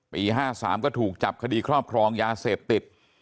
๕๓ก็ถูกจับคดีครอบครองยาเสพติด